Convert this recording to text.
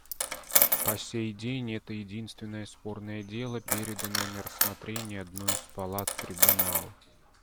По сей день это единственное спорное дело, переданное на рассмотрение одной из палат Трибунала.